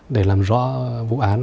để làm rõ vụ án